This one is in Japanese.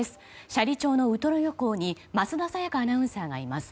斜里町のウトロ漁港に桝田沙也香アナウンサーがいます。